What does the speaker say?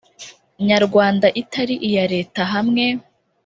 nyarwanda itari iya Leta hamwe